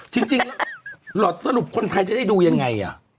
จริงหลอดสรุปคนไทยจะได้ดูยังไง